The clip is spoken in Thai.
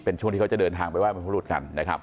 เป็นช่วงที่เขาจะเดินทางไปไห้บรรพรุษกันนะครับ